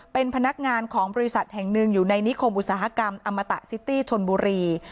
เป็นพนักงานของบริษัทแห่งหนึ่งอยู่ในนิคมอุตสาหกรรมอมตะซิตี้ชนบุรี